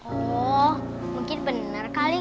oh mungkin bener kali